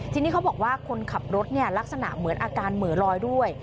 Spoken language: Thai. ทีนี้เขาบอกว่าคนขับรถเนี่ยลักษณะเหมือนอาการเหมือลอยด้วย